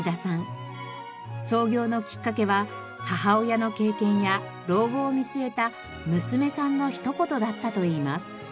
創業のきっかけは母親の経験や老後を見据えた娘さんの一言だったといいます。